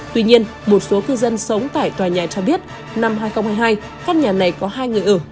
tuy nhiên một số cư dân sống tại tòa nhà cho biết năm hai nghìn hai mươi hai căn nhà này có hai người ở